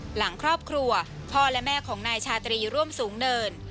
หลังครอบครัวพ่อและแม่ของนายชาตรีร่วมสูงเนิน